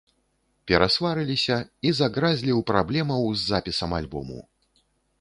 Перасварыліся і загразлі ў праблемаў з запісам альбому.